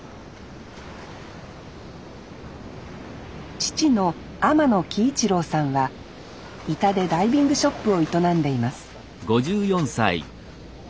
父の天野喜一朗さんは井田でダイビングショップを営んでいます